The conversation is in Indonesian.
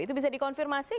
itu bisa dikonfirmasi